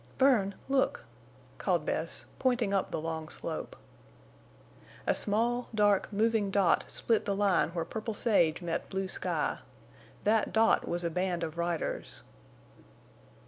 "Bern—look!" called Bess, pointing up the long slope. A small, dark, moving dot split the line where purple sage met blue sky. That dot was a band of riders.